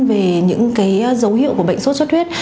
về những dấu hiệu của bệnh sốt xuất huyết